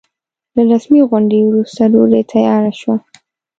له رسمي غونډې وروسته ډوډۍ تياره شوه.